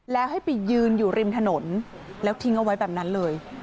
แล้วให้ไปยืนอยู่ริมถนนแล้วทิ้งเอาไว้แบบนั้นเลย